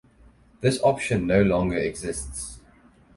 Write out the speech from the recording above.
This option no longer exists.